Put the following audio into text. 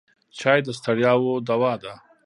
چای د ستړیاوو دوا ده.